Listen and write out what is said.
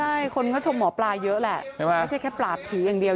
ใช่คนก็ชมหมอปลาเยอะแหละใช่ไหมไม่ใช่แค่ปราบผีอย่างเดียว